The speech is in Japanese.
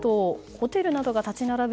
ホテルなどが立ち並ぶ